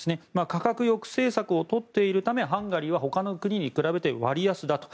価格抑制策を取っているためハンガリーはほかの国に比べて割安だと。